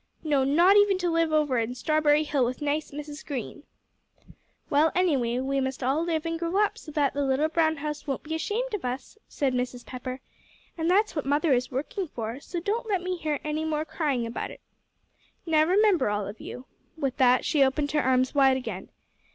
"No, not even to live over in Strawberry Hill with nice Mrs. Green." "Well, anyway, we must all live and grow up so that the little brown house won't be ashamed of us," said Mrs. Pepper, "and that's what Mother is working for; so don't let me hear any more crying about it. Now remember, all of you." With that she opened her arms wide again.